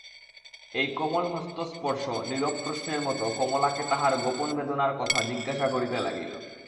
এই কোমল হস্তস্পর্শ নীরব প্রশ্নের মতো কমলাকে তাহার গোপন বেদনার কথা জিজ্ঞাসা করিতে লাগিল।